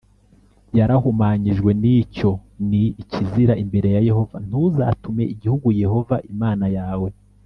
yarahumanyijwe n Icyo ni ikizira imbere ya Yehova Ntuzatume igihugu Yehova Imana yawe